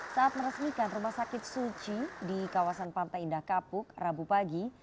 saat meresmikan rumah sakit suci di kawasan pantai indah kapuk rabu pagi